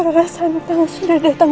rasa nantang sudah datang